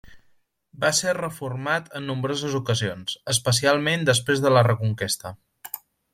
Va ser reformat en nombroses ocasions, especialment després de la Reconquesta.